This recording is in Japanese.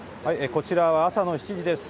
こちらは朝の７時です。